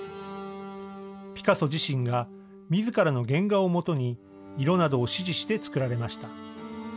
ピカソ自身がみずからの原画をもとに色などを指示して作られました。